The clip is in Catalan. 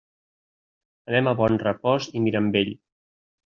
Anem a Bonrepòs i Mirambell.